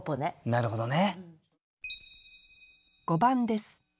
なるほどね。